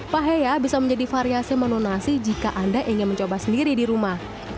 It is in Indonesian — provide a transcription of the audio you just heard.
paheya bisa menjadi variasi menu nasi jika anda ingin mencoba sendiri di rumah